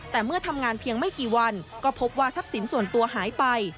แต่เมื่อทำงานเพียงไม่กี่วันก็พบว่าทรัพย์สินส่วนตัวหายไป